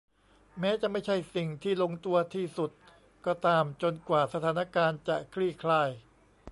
แม้จะไม่ใช่สิ่งที่ลงตัวที่สุดก็ตามจนกว่าสถานการณ์จะคลี่คลาย